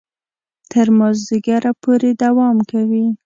تر مازیګره پورې دوام کوي.